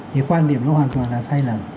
thì quan điểm nó hoàn toàn là sai lầm